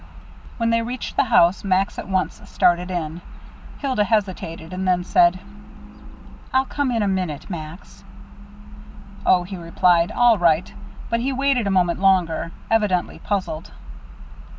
When they reached the house, Max at once started in. Hilda hesitated, and then said: "I'll come in a minute, Max." "Oh," he replied, "all right" But he waited a moment longer, evidently puzzled.